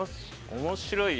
面白いよ。